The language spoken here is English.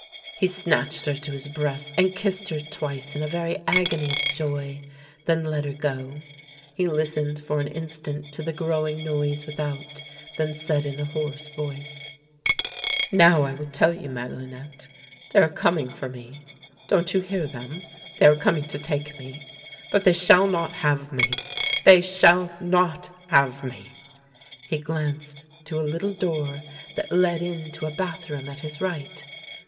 He snatched her to his breast and kissed her twice in a very agony of joy, then let her go. He listened for an instant to the growing noise without, then said in a" hoarse voice :" Now I will tell you, Madelinette. They are com ing for me — don't you hear them? They are coming to take me, but they shall not have me. They shall not have me." He glanced to a little door that led into a bathroom at his right.